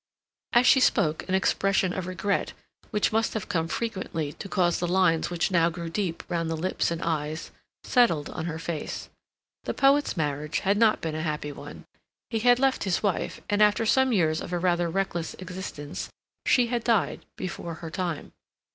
As she spoke an expression of regret, which must have come frequently to cause the lines which now grew deep round the lips and eyes, settled on her face. The poet's marriage had not been a happy one. He had left his wife, and after some years of a rather reckless existence, she had died, before her time.